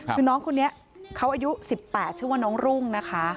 คือน้องคนนี้เขาอายุ๑๘ชื่อว่าน้องรุ่งนะคะ